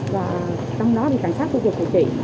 và trong đó thì cảnh sát khu vực của chị